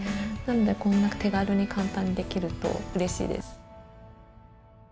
こんな手軽に簡単にできるとうれしいです。